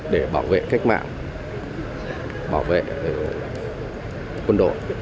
để bảo vệ cách mạng bảo vệ quân đội